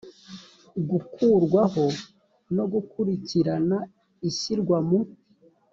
gukurwaho no gukurikirana ishyirwa mu